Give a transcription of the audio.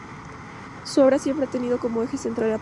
Su obra siempre ha tenido como eje central La Paz.